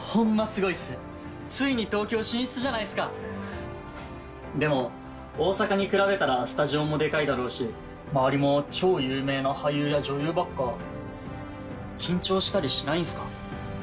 すごいっすついに東京進出じゃないすかでも大阪に比べたらスタジオもデカいだろうし周りも超有名な俳優や女優ばっか緊張したりしないんすか？